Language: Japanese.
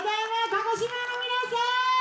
鹿児島の皆さん！